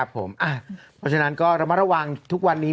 เพราะฉะนั้นก็ระมัดระวังทุกวันนี้